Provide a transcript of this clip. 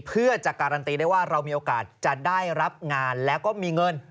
เพื่อจะการันตีได้ว่าเรามีโอกาสจะได้รับงานแล้วก็มีเงิน